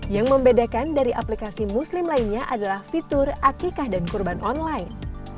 yang membedakan dari aplikasi muslim lainnya adalah fitur akikah dan kurban online